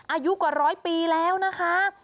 อายุกว่าร้อยปีแล้วนะคะ